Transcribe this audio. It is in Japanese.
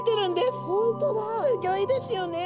すギョいですよね。